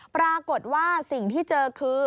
ปรากฏว่าสิ่งที่เจอคือ